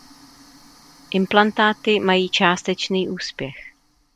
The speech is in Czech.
Implantáty mají částečný úspěch.